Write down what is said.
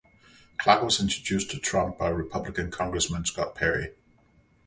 Clark was introduced to Trump by Republican congressman Scott Perry.